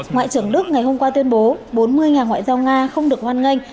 ngoại trưởng đức ngày hôm qua tuyên bố bốn mươi nhà ngoại giao nga không được hoan nghênh